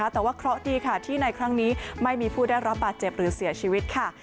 แต่ว่าเคราะห์ดีค่ะที่ในครั้งนี้ไม่มีผู้ได้รับบาดเจ็บหรือเสียชีวิตค่ะ